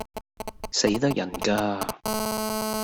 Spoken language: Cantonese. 死得人架